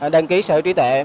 đăng ký sở trí tệ